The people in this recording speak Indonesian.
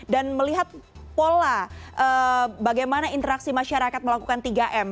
dan melihat pola bagaimana interaksi masyarakat melakukan tiga m